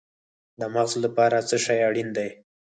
د مغز لپاره څه شی اړین دی؟